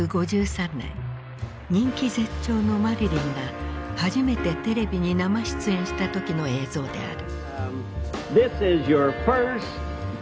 人気絶頂のマリリンが初めてテレビに生出演した時の映像である。